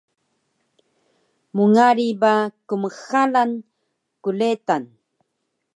mngari ba kmxalan kretan